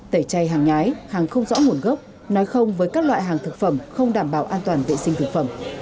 tẩy chay hàng nhái hàng không rõ nguồn gốc nói không với các loại hàng thực phẩm không đảm bảo an toàn vệ sinh thực phẩm